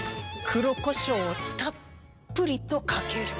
黒コショウをたっぷりとかける。